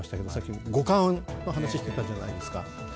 僕も１個、五感の話をしてたじゃないですか。